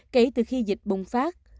kể từ khi dịch bùng phát